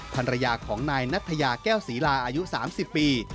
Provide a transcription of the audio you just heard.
ภรรยาของนายนัทยาแก้วศรีลาอายุ๓๐ปี